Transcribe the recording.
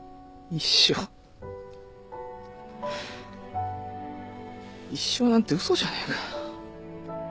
一生なんて嘘じゃねえか。